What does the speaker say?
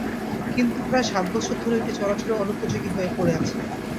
কিন্তু প্রায় সাত বছর ধরে এটি চলাচলের অনুপযোগী হয়ে পড়ে আছে।